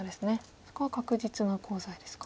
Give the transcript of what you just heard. そこは確実なコウ材ですか。